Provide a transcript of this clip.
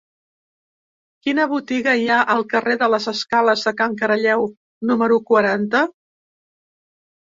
Quina botiga hi ha al carrer de les Escales de Can Caralleu número quaranta?